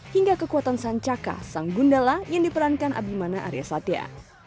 hingga kekuatan sancaka sang gundala yang diperankan abimana arya satya